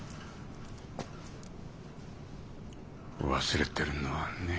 忘れてるのはね